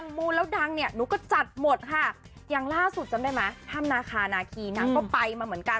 หมดค่ะอย่างล่าสุดจำได้ไหมธรรมนาคาราคีนางก็ไปมาเหมือนกัน